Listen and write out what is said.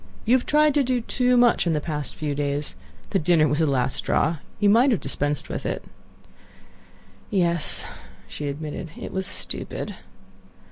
"You have tried to do too much in the past few days. The dinner was the last straw; you might have dispensed with it." "Yes," she admitted; "it was stupid."